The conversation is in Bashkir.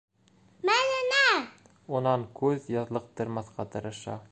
Мәҙинә унан күҙ яҙлыҡтырмаҫҡа тырыша.